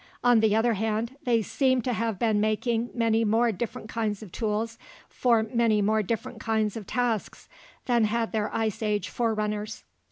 On the other hand, they seem to have been making many more different kinds of tools for many more different kinds of tasks than had their Ice Age forerunners.